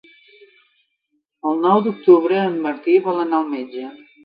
El nou d'octubre en Martí vol anar al metge.